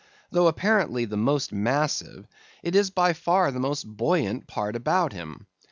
Though apparently the most massive, it is by far the most buoyant part about him.